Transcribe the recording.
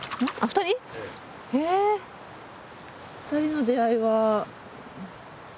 二人の出会いは。